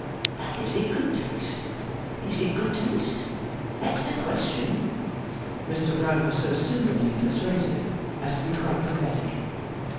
But is it good taste, is it good taste? That's the Question.' Mr Rugg was so soothingly persuasive as to be quite pathetic.